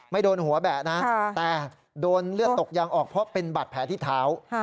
โดนหัวแบะนะแต่โดนเลือดตกยางออกเพราะเป็นบาดแผลที่เท้า